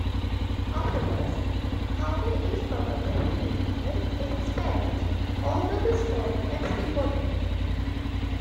Afterwards, Harvey is probably reunited with his parents, although the story ends before then.